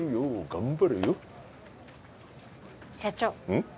うん？